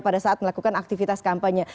pada saat melakukan aktivitas kampanye